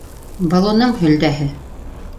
Был уның һөлдәһе!